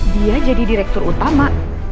dia jadi direktur utama